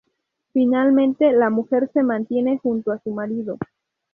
Finalmente la mujer se mantiene junto a su marido.